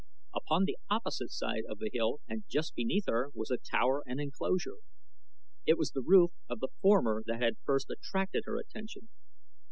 Upon the opposite side of the hill and just beneath her was a tower and enclosure. It was the roof of the former that had first attracted her attention.